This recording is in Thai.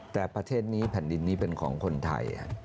แต่ประเทศนี้แผ่นดินนี้เป็นของคนไทย